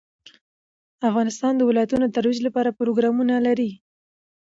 افغانستان د ولایتونو د ترویج لپاره پروګرامونه لري.